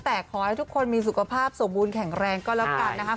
แต่ขอให้ทุกคนมีสุขภาพสมบูรณแข็งแรงก็แล้วกันนะครับ